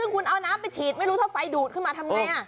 คุณเอาน้ำไปฉีดไม่รู้ถ้าไฟดูดขึ้นมาทำไง